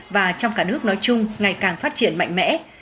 và trong cả nước nói chung ngày càng phát triển mạnh mẽ